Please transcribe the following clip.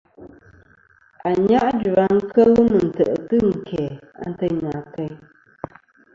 Anyajua kel mɨ tè'tɨ ɨn kæ anteynɨ ateyn.